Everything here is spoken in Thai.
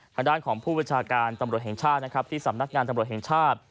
ทางด้านของผู้บัญชาการตำรวจแห่งชาตินะครับที่สำนักงานตำรวจแห่งชาติ